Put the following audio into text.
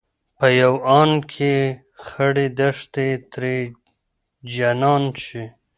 په يو آن کې خړې دښتې ترې جنان شي